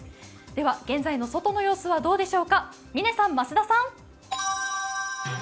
では現在の外の様子はどうでしょうか、嶺さん、増田さん。